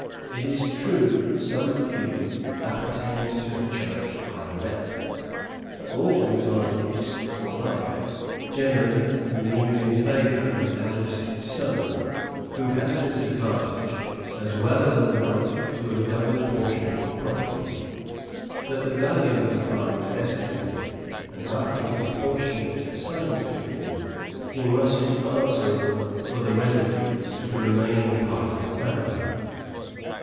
It is true some few, appertaining to the Church, are let, but always on a lease for life, generally renewed in favour of the eldest son, who has this advantage as well as a right to a double portion of the property. But the value of the farm is estimated, and after his portion is assigned to him he must be answerable for the residue to the remaining part of the family.